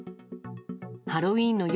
ハロウィーンの夜